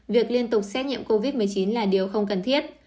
việc liên tục xét nghiệm covid một mươi chín là điều không cần thiết